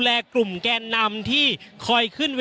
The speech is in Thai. อย่างที่บอกไปว่าเรายังยึดในเรื่องของข้อ